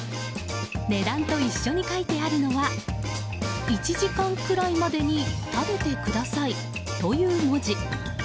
値段と一緒に書いてあるのは１時間くらいまでに食べてくださいという文字。